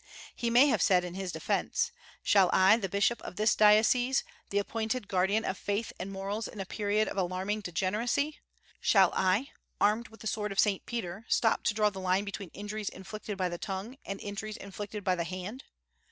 He may have said, in his defence, "Shall I, the bishop of this diocese, the appointed guardian of faith and morals in a period of alarming degeneracy, shall I, armed with the sword of Saint Peter, stop to draw the line between injuries inflicted by the tongue and injuries inflicted by the hand?